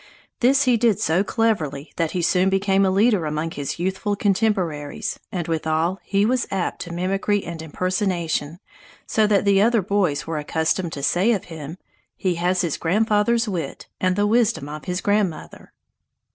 This he did so cleverly that he soon became a leader among his youthful contemporaries; and withal he was apt at mimicry and impersonation, so that the other boys were accustomed to say of him, "He has his grandfather's wit and the wisdom of his grandmother!"